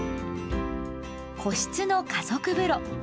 個室の家族風呂。